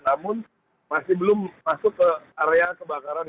namun masih belum masuk ke area kebakaran